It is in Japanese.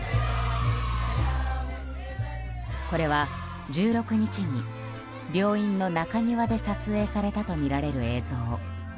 これは、１６日に病院の中庭で撮影されたとみられる映像。